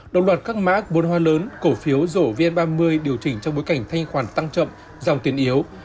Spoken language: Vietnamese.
động đoạt các mã bốn hoa lớn cổ phiếu rổ vn ba mươi điều chỉnh trong bối cảnh thanh khoản tăng chậm dòng tiền yếu